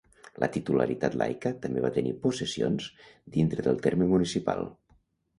La titularitat laica també va tenir possessions dintre del terme municipal.